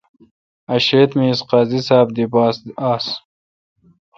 عشریت می اسی قاضی ساب دی باس آس۔